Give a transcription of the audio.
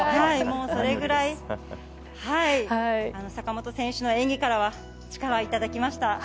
それぐらい坂本選手の演技からは力をいただきました。